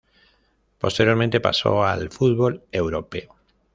Posteriormente pasó al fútbol europeo.